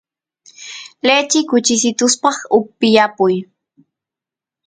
lechi kuchisituspaq upiyapuy